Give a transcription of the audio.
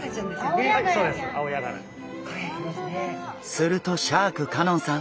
するとシャーク香音さん。